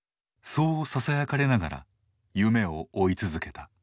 そうささやかれながら夢を追い続けた。